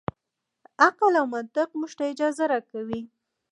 عقل او منطق موږ ته اجازه راکوي.